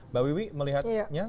mbak wiwi melihatnya